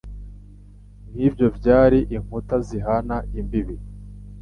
nkibyo byari inkuta zihana imbibi